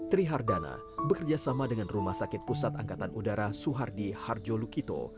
trihardana bekerja sama dengan rumah sakit pusat angkatan udara suhardi harjolukito